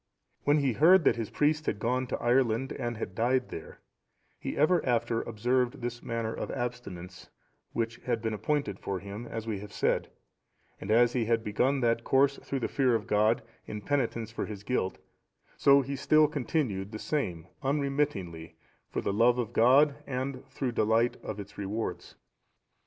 When he heard that his priest had gone to Ireland, and had died there, he ever after observed this manner of abstinence, which had been appointed for him as we have said; and as he had begun that course through the fear of God, in penitence for his guilt, so he still continued the same unremittingly for the love of God, and through delight in its rewards.